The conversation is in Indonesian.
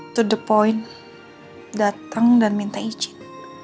to the point datang dan minta izin